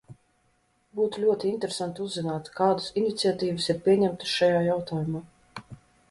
Būtu ļoti interesanti uzzināt, kādas iniciatīvas ir pieņemtas šajā jautājumā.